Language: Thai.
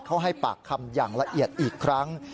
เขาให้ปากคำอย่างละเอียดอีกครั้ง